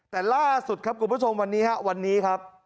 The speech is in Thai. แต่ล่าสุดครับคุณผู้ชมวันนี้ครับ